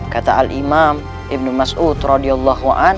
kata al imam ibnu mas'ud ra